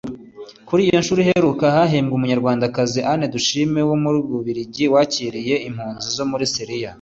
Kuri iyo nshuro iheruka hahembwe Umunyarwandakazi Anne Dushime wo mu Bubiligi wakiriye impunzi zo muri Syria